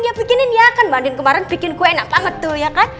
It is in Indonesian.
ya bikinin ya kan banding kemarin bikin kue enak banget tuh ya kan